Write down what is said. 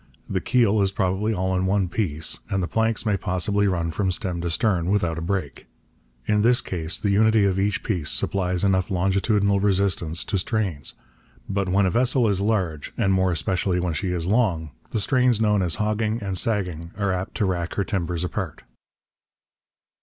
The keel is probably all in one piece, and the planks may possibly run from stem to stern without a break. In this case the unity of each piece supplies enough longitudinal resistance to strains. But when a vessel is large, and more especially when she is long, the strains known as hogging and sagging are apt to rack her timbers apart.